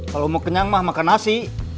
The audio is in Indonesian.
kalau mau kenyang mah makan nasi